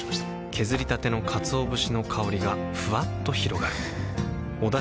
削りたてのかつお節の香りがふわっと広がるはぁ。